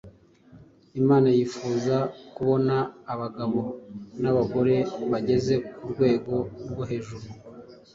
Imana yifuza kubona abagabo n’abagore bageze ku rwego rwo hejuru;